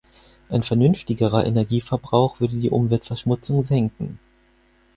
Ein vernünftigerer Energieverbrauch würde die Umweltverschmutzung senken.